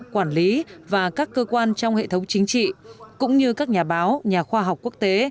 quản lý và các cơ quan trong hệ thống chính trị cũng như các nhà báo nhà khoa học quốc tế